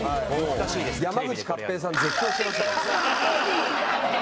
山口勝平さん絶叫してましたからね。